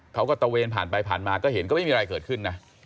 ตะเวนผ่านไปผ่านมาก็เห็นก็ไม่มีอะไรเกิดขึ้นนะ